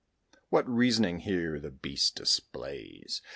What reasoning here the beast displays!